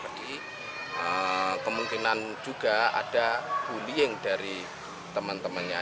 jadi kemungkinan juga ada bullying dari teman temannya